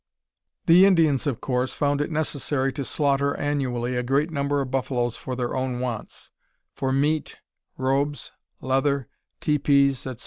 The Indians, of course, found it necessary to slaughter annually a great number of buffaloes for their own wants for meat, robes, leather, teepees, etc.